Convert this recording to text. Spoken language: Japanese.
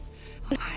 はい。